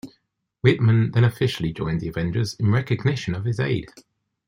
Whitman then officially joined the Avengers in recognition of his aid.